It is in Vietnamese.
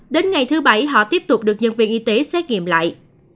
đến ngày thứ bảy họ tiếp tục được nhân viên y tế xét nghiệm lại